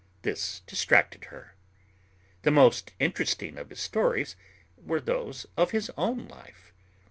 This distracted her. The most interesting of his stories were those of his own life.